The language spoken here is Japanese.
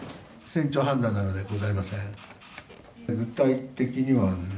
船長判断なのでございません。